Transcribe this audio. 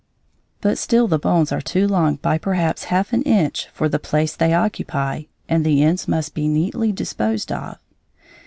But still the bones are too long by perhaps half an inch for the place they occupy, and the ends must be neatly disposed of.